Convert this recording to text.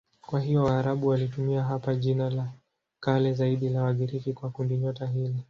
Kwa hiyo Waarabu walitumia hapa jina la kale zaidi la Wagiriki kwa kundinyota hili.